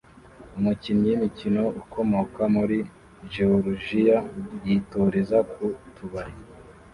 Umukinyi w'imikino ukomoka muri Jeworujiya yitoreza ku tubari